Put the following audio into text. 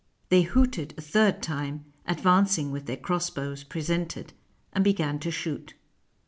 They hooted a third time, advancing with their cross bows presented, and began to shoot.